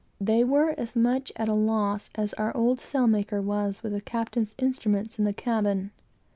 They were as much puzzled as our old sailmaker was with the captain's instruments in the cabin.